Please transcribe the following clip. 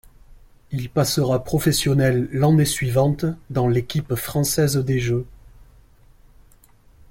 Il passera professionnel l'année suivante dans l'équipe Française des Jeux.